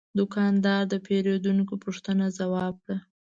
دوکاندار د پیرودونکي پوښتنه ځواب کړه.